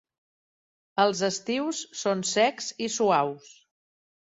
Els estius són secs i suaus.